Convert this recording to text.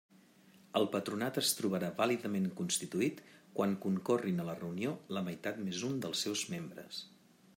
El Patronat es trobarà vàlidament constituït quan concorrin a la reunió la meitat més un dels seus membres.